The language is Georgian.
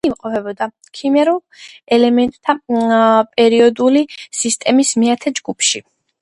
იგი იმყოფება ქიმიურ ელემენტთა პერიოდული სისტემის მეათე ჯგუფში.